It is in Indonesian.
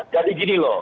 jadi gini loh